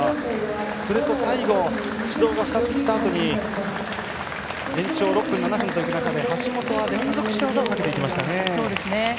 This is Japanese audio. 最後、指導が２つ行ったあとに延長７分という中で橋本は連続して技をかけていきましたね。